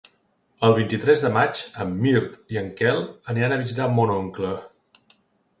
El vint-i-tres de maig en Mirt i en Quel aniran a visitar mon oncle.